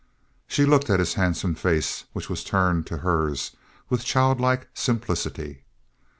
She looked at his handsome face, which was turned to hers, with child like simplicity.